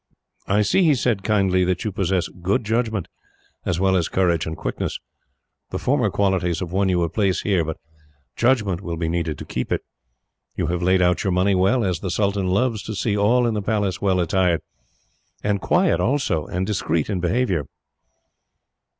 "I see," he said kindly, "that you possess good judgment, as well as courage and quickness. The former qualities have won you a place here, but judgment will be needed to keep it. You have laid out your money well, as the sultan loves to see all in the Palace well attired; and quiet also, and discreet in behaviour."